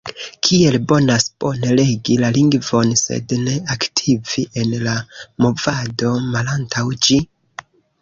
Kiel bonas bone regi la lingvon sed ne aktivi en la Movado malantaŭ ĝi?